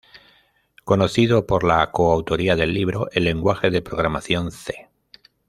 Conocido por la co-autoría del libro "El lenguaje de programación C".